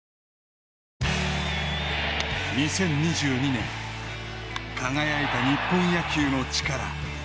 ２０２２年、輝いた日本野球の力。